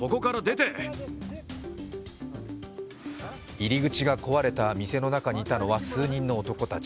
入り口が壊れた店の中にいたのは数人の男たち。